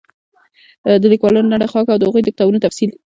د ليکوالانو لنډه خاکه او د هغوی د کتابونو تفصيل